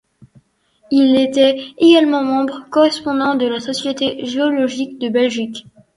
Il était également membre correspondant de la Société géologique de Belgique.